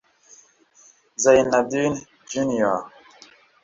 Zainadine Junior